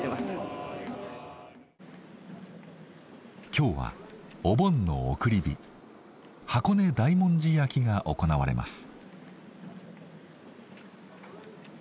今日はお盆の送り火箱根大文字焼きが行われます。